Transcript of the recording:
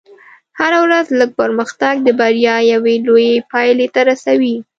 هره ورځ لږ پرمختګ د بریا یوې لوېې پایلې ته رسوي.